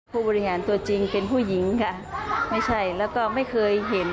ผู้บริหารตัวจริงเป็นผู้หญิงค่ะไม่ใช่แล้วก็ไม่เคยเห็น